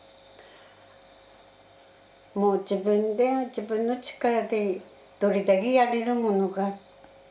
もう自分で自分の力でどれだけやれるものか。